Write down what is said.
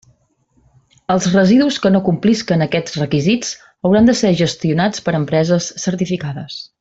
Els residus que no complisquen aquests requisits hauran de ser gestionats per empreses certificades.